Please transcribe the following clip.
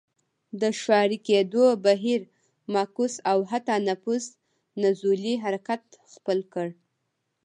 د ښاري کېدو بهیر معکوس او حتی نفوس نزولي حرکت خپل کړ.